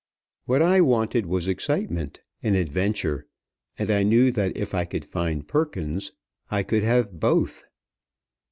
What I wanted was excitement, an adventure, and I knew that if I could find Perkins, I could have both.